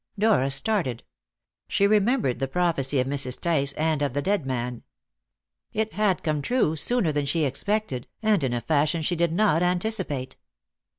Dora started. She remembered the prophecy of Mrs. Tice and of the dead man. It had come true sooner than she expected, and in a fashion she did not anticipate.